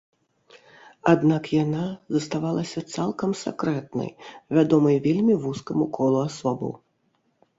Аднак яна заставалася цалкам сакрэтнай, вядомай вельмі вузкаму колу асобаў.